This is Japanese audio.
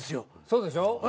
そうでしょ？